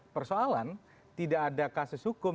persoalan tidak ada kasus hukum